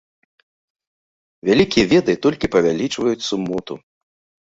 Вялікія веды толькі павялічваюць сумоту.